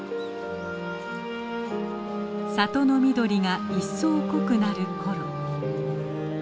里の緑が一層濃くなる頃。